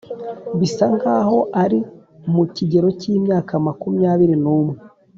bisa nkaho ari mukigero cyimyaka makumyabyiri numwe